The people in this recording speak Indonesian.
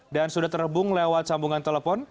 dan sudah terhubung lewat sambungan telepon